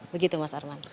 begitu mas arman